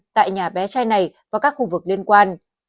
tại nhà bé trai này và các khu vực liên quan